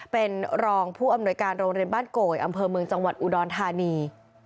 เป็นรองผู้อำนวยการโรงเรียนบ้านโกยอำเภอเมืองจังหวัดอุดรธานี